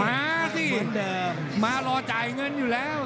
มาสิมารอจ่ายเงินอยู่แล้ว